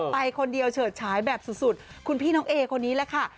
ไปคนเดียวเฉิดฉายแบบสุดคุณพี่น้องเอคนนี้แหละค่ะ